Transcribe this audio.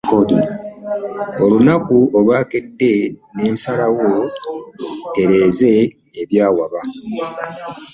Olunaku olwakedde, nensalawo ntereeze ebyawaba